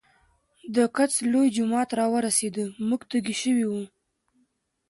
د کڅ لوے جومات راورسېدۀ مونږ تږي شوي وو